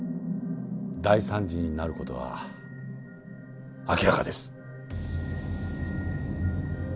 大惨事になる事は明らかです。